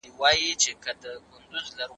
علم د انسان سترګي خلاصوي.